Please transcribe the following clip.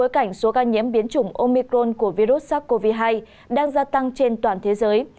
cảnh số ca nhiễm biến chủng omicron của virus sars cov hai đang gia tăng trên toàn thế giới